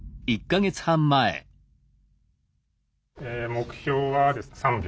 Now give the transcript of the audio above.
目標は３秒。